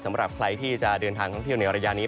สำหรับใครที่จะเดินทางท่องเที่ยวในระยะนี้